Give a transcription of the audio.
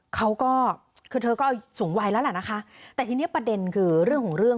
เขาก็คือเธอก็สูงวัยแล้วแหละนะคะแต่ทีนี้ประเด็นคือเรื่องของเรื่อง